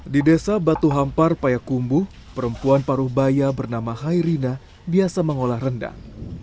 di desa batuhampar payakumbu perempuan paruh baya bernama hairina biasa mengolah rendang